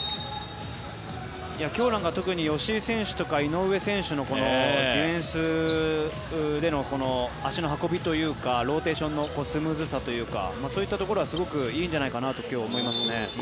今日なんかは特に吉井選手とか井上選手のディフェンスでの足の運びというかローテーションのスムーズさというかそういうところはいいんじゃないかなと思います。